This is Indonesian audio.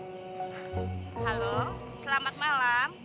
halo selamat malam